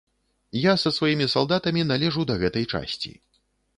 Я са сваімі салдатамі належу да гэтай часці.